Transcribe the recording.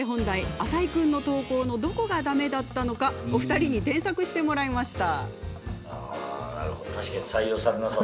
浅井アナの投稿のどこが、だめだったのかお二人に添削してもらいました。